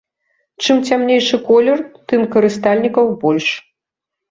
Чым цямнейшы колер, тым карыстальнікаў больш.